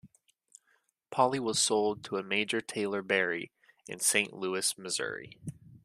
Polly was sold to a Major Taylor Berry in Saint Louis, Missouri.